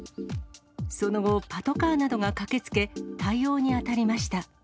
その後、パトカーなどが駆けつけ、対応に当たりました。